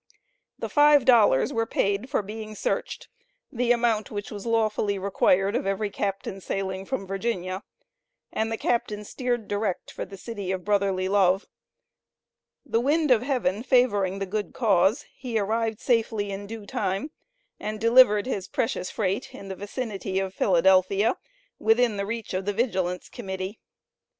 The "five dollars" were paid for being searched, the amount which was lawfully required of every captain sailing from Virginia. And the captain steered direct for the City of Brotherly Love. The wind of heaven favoring the good cause, he arrived safely in due time, and delivered his precious freight in the vicinity of Philadelphia within the reach of the Vigilance Committee.